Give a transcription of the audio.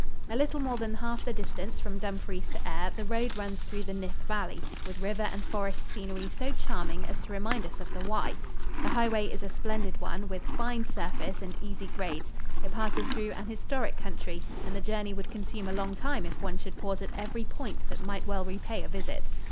A little more than half the distance from Dumfries to Ayr the road runs through the Nith Valley, with river and forest scenery so charming as to remind us of the Wye. The highway is a splendid one, with fine surface and easy grades. It passes through an historic country, and the journey would consume a long time if one should pause at every point that might well repay a visit.